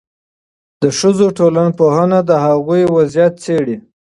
د ښځو ټولنپوهنه د هغوی وضعیت څېړي.